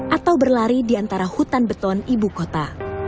atau berlari di antara hutan beton ibu kota